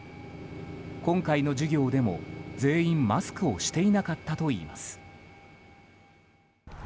今回の授業でも全員マスクをしていなかったといいます。